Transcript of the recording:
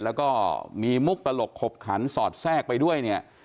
แล้วก็มีมุกตลกขบขันศอดแทศกไปด้วย